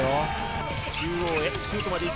中央へシュートまで行けるか。